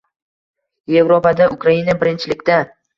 Yevropada Ukraina birinchilikda.